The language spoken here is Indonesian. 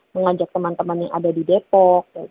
mengajak teman teman yang ada di depok